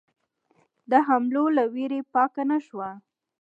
د حملو له وېرې پاکه نه شوه.